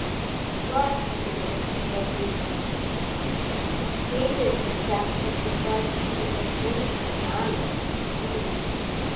"Of course she would," said Hale weakly, "she hated Miss Saxon because she was engaged to Mallow, the fool.